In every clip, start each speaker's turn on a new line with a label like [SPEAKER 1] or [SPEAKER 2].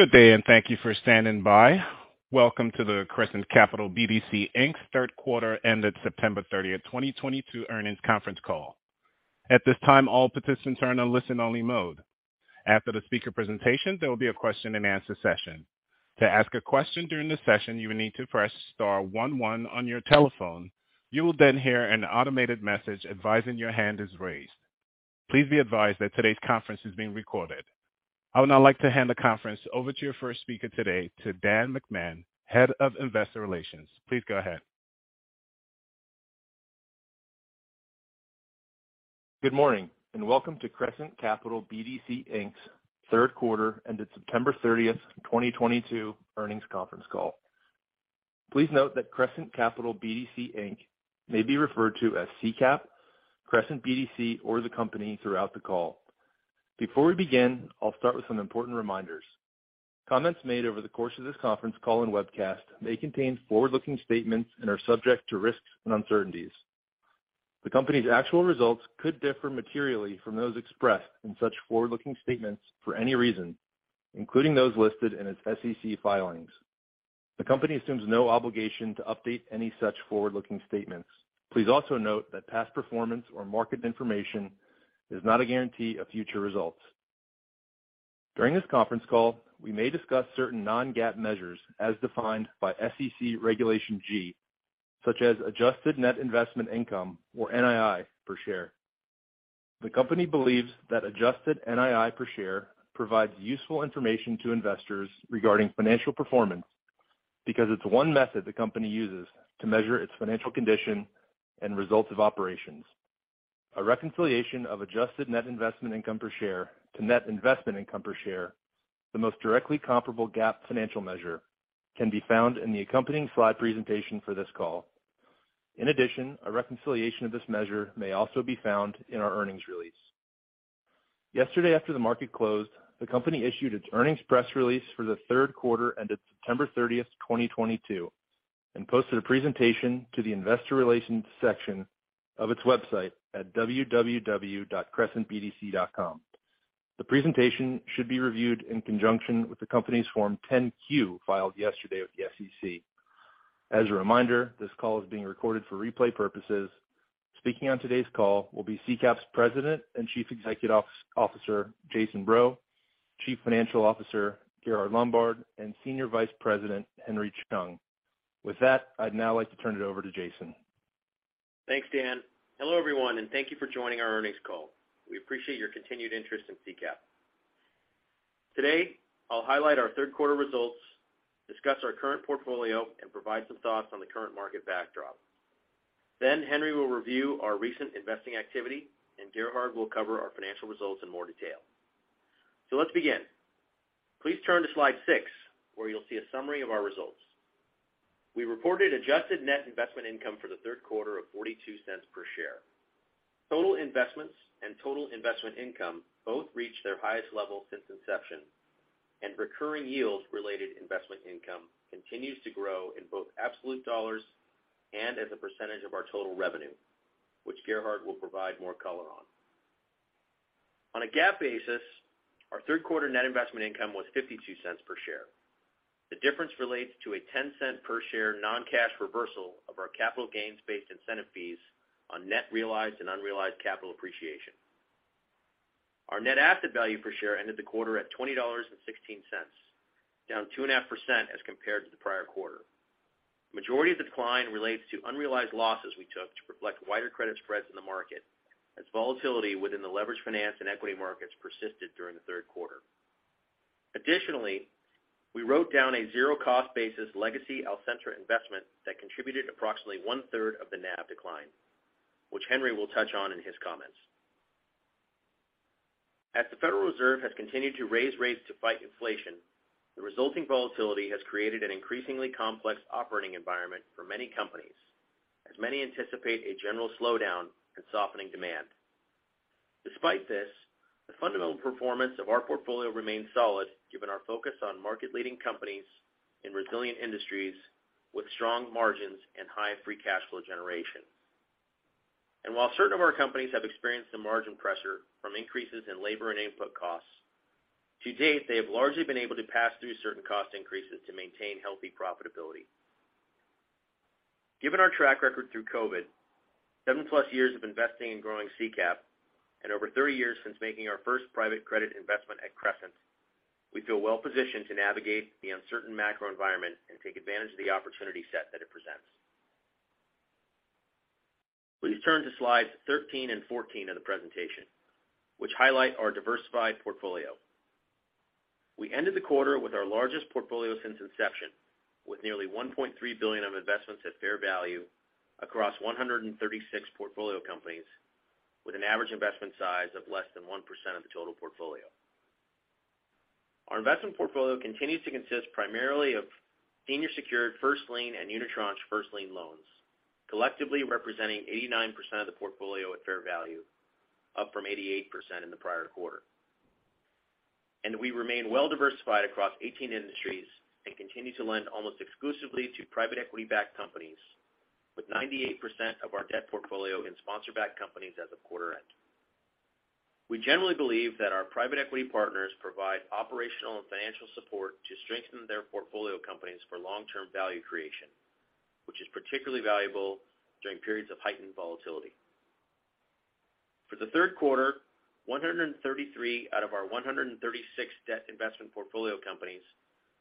[SPEAKER 1] Good day, and thank you for standing by. Welcome to the Crescent Capital BDC, Inc.'s third quarter ended September 30, 2022 Earnings Conference Call. At this time, all participants are in a listen-only mode. After the speaker presentation, there will be a question-and-answer session. To ask a question during the session, you will need to press star one one on your telephone. You will then hear an automated message advising your hand is raised. Please be advised that today's conference is being recorded. I would now like to hand the conference over to your first speaker today, to Dan McMahon, Head of Investor Relations. Please go ahead.
[SPEAKER 2] Good morning, and welcome to Crescent Capital BDC, Inc.'s third quarter ended September 30, 2022 earnings conference call. Please note that Crescent Capital BDC, Inc. may be referred to as CCAP, Crescent BDC, or the company throughout the call. Before we begin, I'll start with some important reminders. Comments made over the course of this conference call and webcast may contain forward-looking statements and are subject to risks and uncertainties. The company's actual results could differ materially from those expressed in such forward-looking statements for any reason, including those listed in its SEC filings. The company assumes no obligation to update any such forward-looking statements. Please also note that past performance or market information is not a guarantee of future results. During this conference call, we may discuss certain Non-GAAP measures as defined by SEC Regulation G, such as adjusted net investment income or NII per share. The company believes that adjusted NII per share provides useful information to investors regarding financial performance because it's one method the company uses to measure its financial condition and results of operations. A reconciliation of adjusted net investment income per share to net investment income per share, the most directly comparable GAAP financial measure, can be found in the accompanying slide presentation for this call. In addition, a reconciliation of this measure may also be found in our earnings release. Yesterday, after the market closed, the company issued its earnings press release for the third quarter ended September 30, 2022, and posted a presentation to the investor relations section of its website at www.crescentbdc.com. The presentation should be reviewed in conjunction with the company's Form 10-Q filed yesterday with the SEC. As a reminder, this call is being recorded for replay purposes. Speaking on today's call will be CCAP's President and Chief Executive Officer, Jason Breaux, Chief Financial Officer, Gerhard Lombard, and Senior Vice President, Henry Chung. With that, I'd now like to turn it over to Jason.
[SPEAKER 3] Thanks, Dan. Hello, everyone, and thank you for joining our earnings call. We appreciate your continued interest in CCAP. Today, I'll highlight our third quarter results, discuss our current portfolio, and provide some thoughts on the current market backdrop. Henry will review our recent investing activity, and Gerhard will cover our financial results in more detail. Let's begin. Please turn to slide six, where you'll see a summary of our results. We reported adjusted net investment income for the third quarter of $0.42 per share. Total investments and total investment income both reached their highest level since inception, and recurring yield-related investment income continues to grow in both absolute dollars and as a percentage of our total revenue, which Gerhard will provide more color on. On a GAAP basis, our third quarter net investment income was $0.52 per share. The difference relates to a $0.10 per share non-cash reversal of our capital gains-based incentive fees on net realized and unrealized capital appreciation. Our net asset value per share ended the quarter at $20.16, down 2.5% as compared to the prior quarter. Majority of the decline relates to unrealized losses we took to reflect wider credit spreads in the market as volatility within the leveraged finance and equity markets persisted during the third quarter. Additionally, we wrote down a zero cost basis legacy Alcentra investment that contributed approximately one-third of the NAV decline, which Henry will touch on in his comments. As the Federal Reserve has continued to raise rates to fight inflation, the resulting volatility has created an increasingly complex operating environment for many companies, as many anticipate a general slowdown and softening demand. Despite this, the fundamental performance of our portfolio remains solid, given our focus on market-leading companies in resilient industries with strong margins and high free cash flow generation. While certain of our companies have experienced some margin pressure from increases in labor and input costs, to date, they have largely been able to pass through certain cost increases to maintain healthy profitability. Given our track record through COVID, 7+ years of investing in growing CCAP, and over 30 years since making our first private credit investment at Crescent, we feel well positioned to navigate the uncertain macro environment and take advantage of the opportunity set that it presents. Please turn to slides 13 and 14 of the presentation, which highlight our diversified portfolio. We ended the quarter with our largest portfolio since inception, with nearly $1.3 billion of investments at fair value across 136 portfolio companies, with an average investment size of less than 1% of the total portfolio. Our investment portfolio continues to consist primarily of senior secured first lien and unitranche first lien loans, collectively representing 89% of the portfolio at fair value, up from 88% in the prior quarter. We remain well diversified across 18 industries and continue to lend almost exclusively to private equity-backed companies, with 98% of our debt portfolio in sponsor-backed companies as of quarter end. We generally believe that our private equity partners provide operational and financial support to strengthen their portfolio companies for long-term value creation, which is particularly valuable during periods of heightened volatility. For the third quarter, 133 out of our 136 debt investment portfolio companies,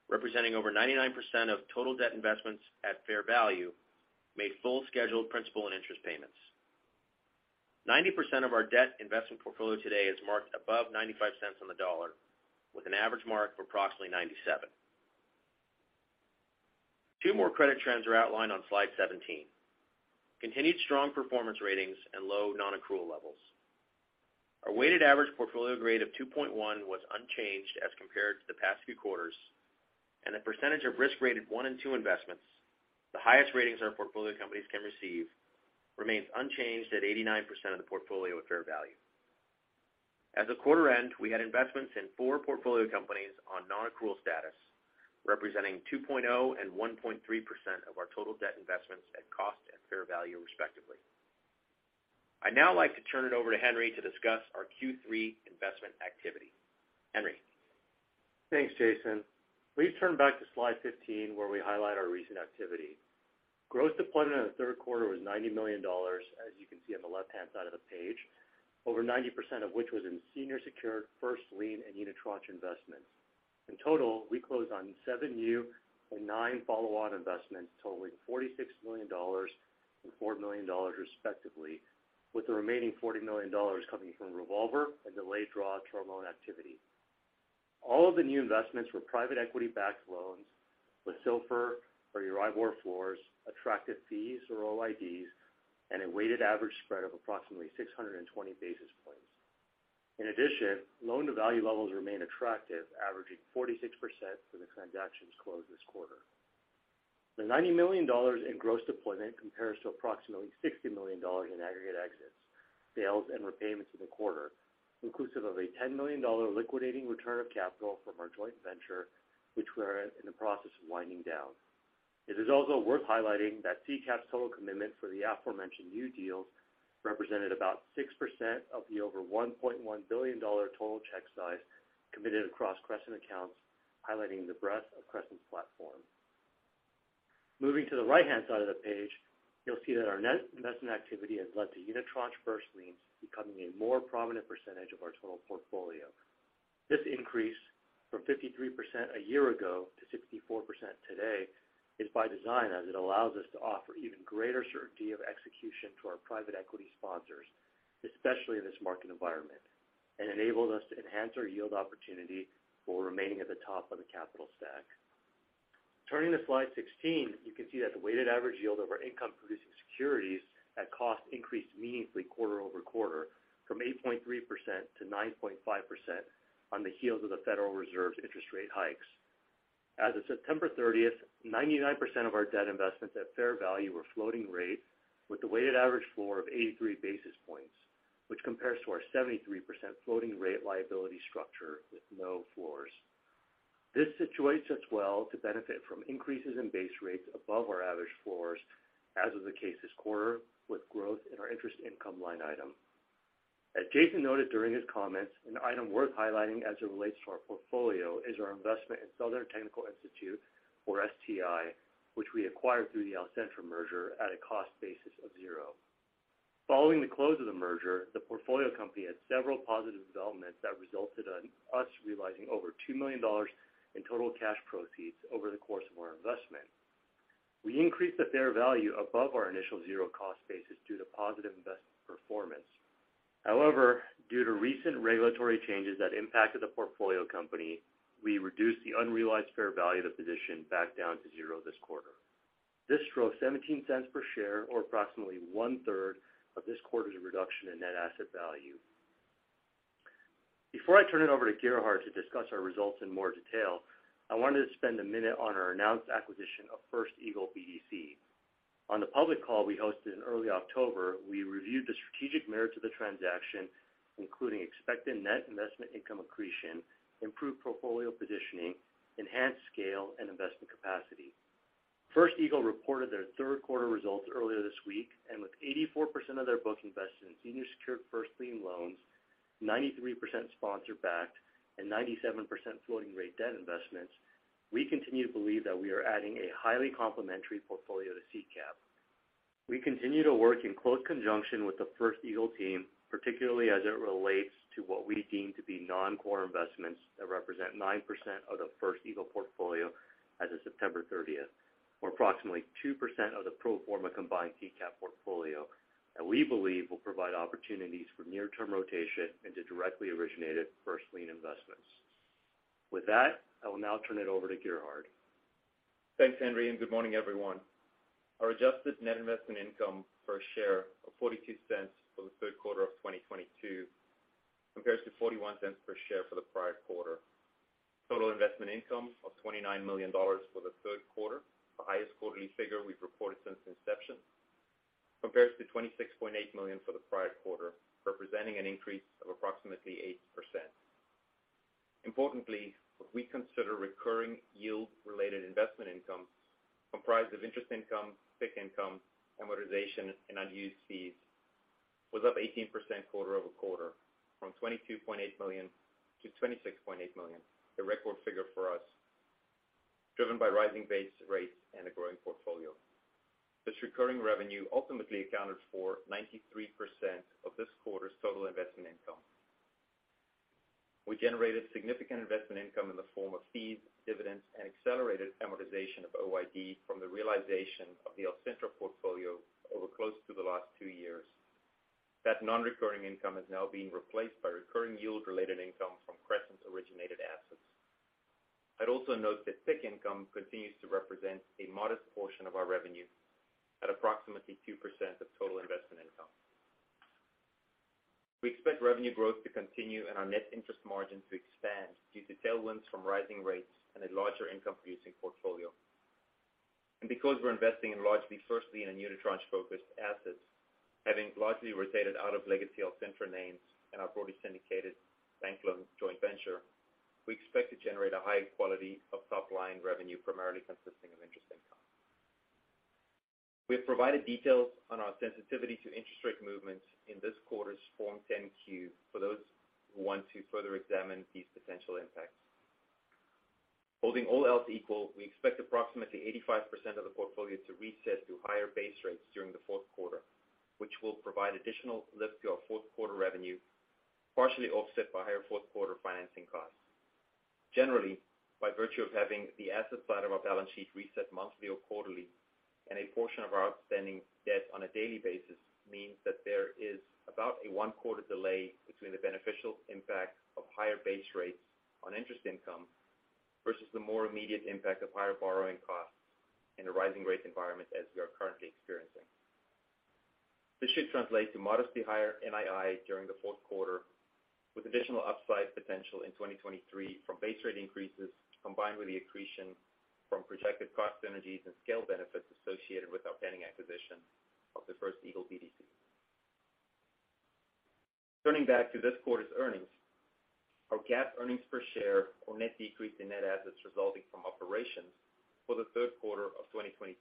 [SPEAKER 3] representing over 99% of total debt investments at fair value, made full scheduled principal and interest payments. 90% of our debt investment portfolio today is marked above 95 cents on the dollar, with an average mark of approximately 97. Two more credit trends are outlined on slide 17. Continued strong performance ratings and low non-accrual levels. Our weighted average portfolio grade of 2.1 was unchanged as compared to the past few quarters, and the percentage of risk rated one and two investments, the highest ratings our portfolio companies can receive, remains unchanged at 89% of the portfolio at fair value. As of quarter end, we had investments in four portfolio companies on non-accrual status, representing 2.0% and 1.3% of our total debt investments at cost and fair value, respectively. I'd now like to turn it over to Henry to discuss our Q3 investment activity. Henry.
[SPEAKER 4] Thanks, Jason. Please turn back to slide 15 where we highlight our recent activity. Gross deployment in the third quarter was $90 million, as you can see on the left-hand side of the page, over 90% of which was in senior secured first lien and unitranche investments. In total, we closed on seven new and nine follow-on investments totaling $46 million and $4 million respectively, with the remaining $40 million coming from revolver and delayed draw-term loan activity. All of the new investments were private equity backed loans with SOFR or EURIBOR floors, attractive fees or OIDs, and a weighted average spread of approximately 620 basis points. In addition, loan-to-value levels remain attractive, averaging 46% for the transactions closed this quarter. The $90 million in gross deployment compares to approximately $60 million in aggregate exits, sales, and repayments in the quarter, inclusive of a $10 million liquidating return of capital from our joint venture, which we're in the process of winding down. It is also worth highlighting that CCAP's total commitment for the aforementioned new deals represented about 6% of the over $1.1 billion total check size committed across Crescent accounts, highlighting the breadth of Crescent's platform. Moving to the right-hand side of the page, you'll see that our net investment activity has led to unitranche first liens becoming a more prominent percentage of our total portfolio. This increase from 53% a year ago to 64% today is by design as it allows us to offer even greater certainty of execution to our private equity sponsors, especially in this market environment, and enables us to enhance our yield opportunity while remaining at the top of the capital stack. Turning to slide 16, you can see that the weighted average yield of our income-producing securities at cost increased meaningfully quarter-over-quarter from 8.3%-9.5% on the heels of the Federal Reserve's interest rate hikes. As of September 30, 99% of our debt investments at fair value were floating rate with a weighted average floor of 83 basis points, which compares to our 73% floating rate liability structure with no floors. This situates us well to benefit from increases in base rates above our average floors as is the case this quarter with growth in our interest income line item. As Jason noted during his comments, an item worth highlighting as it relates to our portfolio is our investment in Southern Technical Institute, or STI, which we acquired through the Alcentra merger at a cost basis of zero. Following the close of the merger, the portfolio company had several positive developments that resulted in us realizing over $2 million in total cash proceeds over the course of our investment. We increased the fair value above our initial zero cost basis due to positive investment performance. However, due to recent regulatory changes that impacted the portfolio company, we reduced the unrealized fair value of the position back down to zero this quarter. This drove $0.17 per share or approximately one-third of this quarter's reduction in net asset value. Before I turn it over to Gerhard to discuss our results in more detail, I wanted to spend a minute on our announced acquisition of First Eagle Alternative Capital BDC. On the public call we hosted in early October, we reviewed the strategic merit to the transaction, including expected net investment income accretion, improved portfolio positioning, enhanced scale, and investment capacity. First Eagle Alternative Capital BDC reported their third quarter results earlier this week, and with 84% of their book invested in senior secured first lien loans, 93% sponsor backed, and 97% floating rate debt investments, we continue to believe that we are adding a highly complementary portfolio to CCAP. We continue to work in close conjunction with the First Eagle team, particularly as it relates to what we deem to be non-core investments that represent 9% of the First Eagle portfolio as of September thirtieth, or approximately 2% of the pro forma combined CCAP portfolio that we believe will provide opportunities for near-term rotation into directly originated first lien investments. With that, I will now turn it over to Gerhard.
[SPEAKER 5] Thanks, Henry, and good morning, everyone. Our adjusted net investment income per share of $0.42 for the third quarter of 2022 compares to $0.41 per share for the prior quarter. Total investment income of $29 million for the third quarter, the highest quarterly figure we've reported since inception, compares to $26.8 million for the prior quarter, representing an increase of approximately 8%. Importantly, we consider recurring yield related investment income comprised of interest income, PIK income, amortization, and unused fees was up 18% quarter-over-quarter from $22.8 million-$26.8 million. A record figure for us, driven by rising base rates and a growing portfolio. This recurring revenue ultimately accounted for 93% of this quarter's total investment income. We generated significant investment income in the form of fees, dividends, and accelerated amortization of OID from the realization of the Alcentra portfolio over close to the last two years. That non-recurring income is now being replaced by recurring yield related income from Crescent's originated assets. I'd also note that PIK income continues to represent a modest portion of our revenue at approximately 2% of total investment income. We expect revenue growth to continue and our net interest margin to expand due to tailwinds from rising rates and a larger income producing portfolio. Because we're investing in largely first lien and unitranche-focused assets, having largely rotated out of legacy Alcentra names and our broadly syndicated bank loans joint venture, we expect to generate a high quality of top line revenue, primarily consisting of interest income. We have provided details on our sensitivity to interest rate movements in this quarter's Form 10-Q for those who want to further examine these potential impacts. Holding all else equal, we expect approximately 85% of the portfolio to reset to higher base rates during the fourth quarter, which will provide additional lift to our fourth quarter revenue, partially offset by higher fourth quarter financing costs. Generally, by virtue of having the asset side of our balance sheet reset monthly or quarterly, and a portion of our outstanding debt on a daily basis, means that there is about a one-quarter delay between the beneficial impact of higher base rates on interest income versus the more immediate impact of higher borrowing costs in a rising rate environment as we are currently experiencing. This should translate to modestly higher NII during the fourth quarter, with additional upside potential in 2023 from base rate increases, combined with the accretion from projected cost synergies and scale benefits associated with our pending acquisition of the First Eagle BDC. Turning back to this quarter's earnings. Our GAAP earnings per share or net decrease in net assets resulting from operations for the third quarter of 2022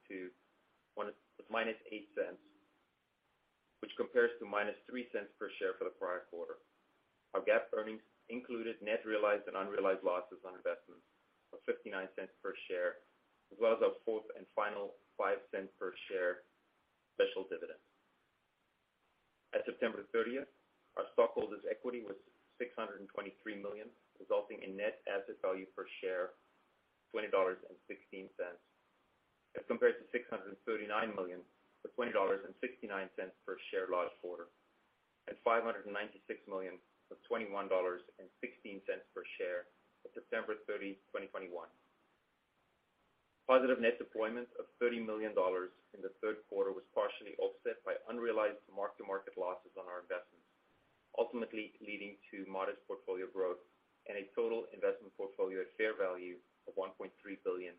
[SPEAKER 5] was -$0.08, which compares to -$0.03 per share for the prior quarter. Our GAAP earnings included net realized and unrealized losses on investments of $0.59 per share, as well as our fourth and final $0.05 per share special dividend. At September 30, our stockholders' equity was $623 million, resulting in net asset value per share $20.16, as compared to $639 million to $20.69 per share last quarter, and $596 million to $21.16 per share at September 30, 2021. Positive net deployment of $30 million in the third quarter was partially offset by unrealized mark-to-market losses on our investments, ultimately leading to modest portfolio growth and a total investment portfolio at fair value of $1.3 billion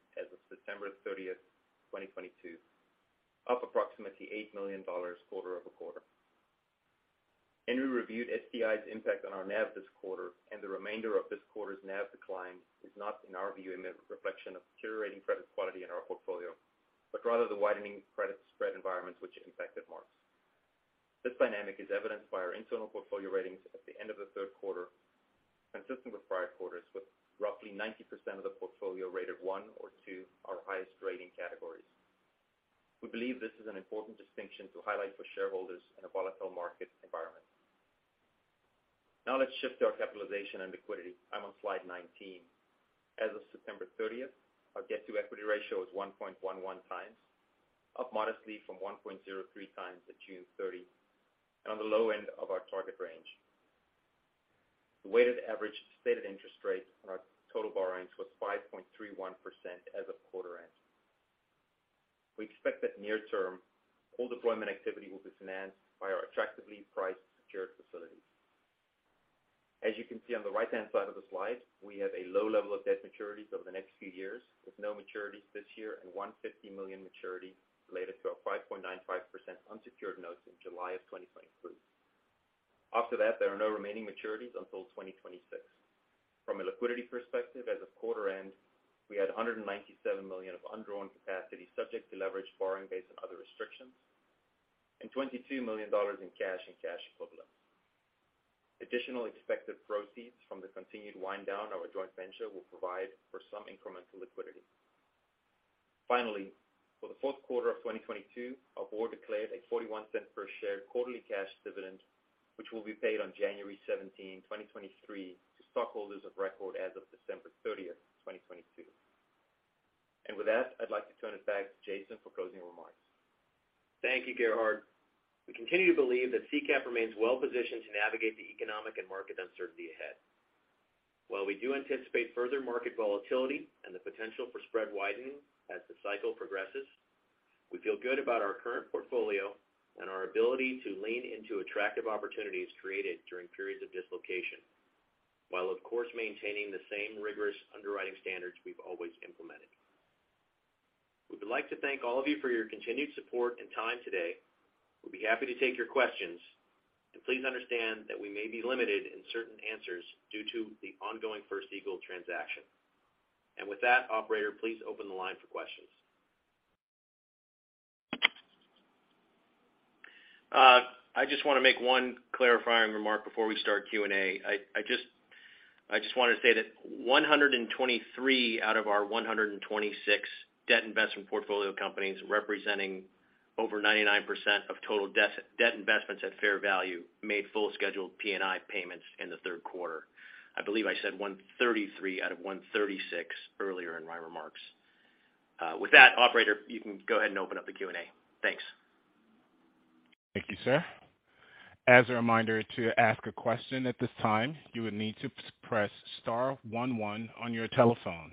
[SPEAKER 5] as of September thirtieth, 2022, up approximately $8 million quarter-over-quarter. Henry reviewed STI's impact on our NAV this quarter, and the remainder of this quarter's NAV decline is not, in our view, a reflection of deteriorating credit quality in our portfolio, but rather the widening credit spread environment which impacted marks. This dynamic is evidenced by our internal portfolio ratings at the end of the third quarter, consistent with prior quarters, with roughly 90% of the portfolio rated one or two, our highest rating categories. We believe this is an important distinction to highlight for shareholders in a volatile market environment. Now let's shift to our capitalization and liquidity. I'm on slide 19. As of September 30, our debt-to-equity ratio is 1.11 times, up modestly from 1.03 times at June 30, and on the low end of our target range. The weighted average stated interest rates on our total borrowings was 5.31% as of quarter end. We expect that near-term, all deployment activity will be financed by our attractively priced secured facilities. As you can see on the right-hand side of the slide, we have a low level of debt maturities over the next few years, with no maturities this year and $150 million maturity related to our 5.95% unsecured notes in July 2023. After that, there are no remaining maturities until 2026. From a liquidity perspective, as of quarter end, we had 197 million of undrawn capacity subject to leverage borrowing based on other restrictions, and $22 million in cash and cash equivalents. Additional expected proceeds from the continued wind down our joint venture will provide for some incremental liquidity. Finally, for the fourth quarter of 2022, our board declared a $0.41 per share quarterly cash dividend, which will be paid on January 17, 2023 to stockholders of record as of December 30, 2022. With that, I'd like to turn it back to Jason for closing remarks.
[SPEAKER 3] Thank you, Gerhard. We continue to believe that CCAP remains well positioned to navigate the economic and market uncertainty ahead. While we do anticipate further market volatility and the potential for spread widening as the cycle progresses, we feel good about our current portfolio and our ability to lean into attractive opportunities created during periods of dislocation, while of course, maintaining the same rigorous underwriting standards we've always implemented. We would like to thank all of you for your continued support and time today. We'll be happy to take your questions. Please understand that we may be limited in certain answers due to the ongoing First Eagle transaction. With that, operator, please open the line for questions. I just wanna make one clarifying remark before we start Q&A. I just wanna say that 123 out of our 126 debt investment portfolio companies, representing over 99% of total debt investments at fair value, made full scheduled P&I payments in the third quarter. I believe I said 133 out of 136 earlier in my remarks. With that operator, you can go ahead and open up the Q&A. Thanks.
[SPEAKER 1] Thank you, sir. As a reminder, to ask a question at this time, you would need to press star one one on your telephone.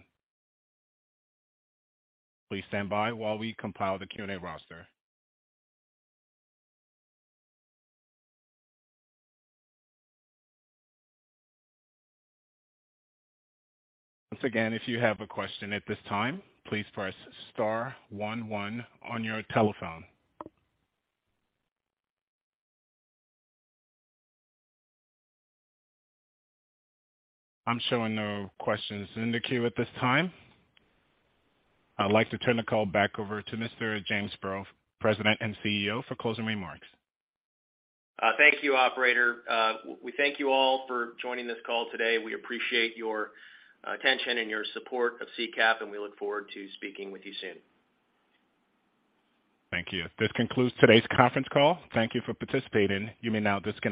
[SPEAKER 1] Please stand by while we compile the Q&A roster. Once again, if you have a question at this time, please press star one one on your telephone. I'm showing no questions in the queue at this time. I'd like to turn the call back over to Mr. Jason Breaux, President and CEO, for closing remarks.
[SPEAKER 3] Thank you, operator. We thank you all for joining this call today. We appreciate your attention and your support of CCAP, and we look forward to speaking with you soon.
[SPEAKER 1] Thank you. This concludes today's conference call. Thank you for participating. You may now disconnect.